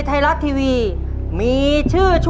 สองนาทีสี่สิบห้าวินาที